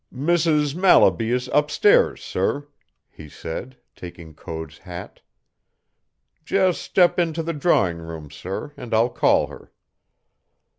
"Mrs. Mallaby is up stairs, sir," he said, taking Code's hat. "Just step into the drawing room, sir, and I'll call her."